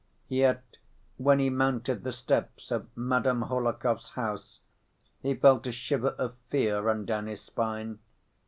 Yet, when he mounted the steps of Madame Hohlakov's house he felt a shiver of fear run down his spine.